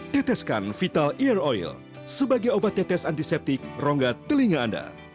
teteskan vital ear oil sebagai obat tetes antiseptik rongga telinga anda